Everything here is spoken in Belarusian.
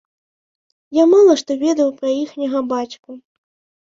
Я мала што ведаў пра іхняга бацьку.